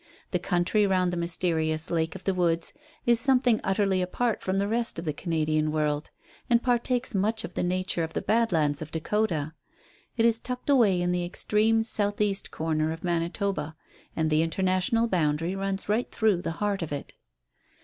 The country round the mysterious Lake of the Woods is something utterly apart from the rest of the Canadian world, and partakes much of the nature of the Badlands of Dakota. It is tucked away in the extreme south eastern corner of Manitoba, and the international boundary runs right through the heart of it.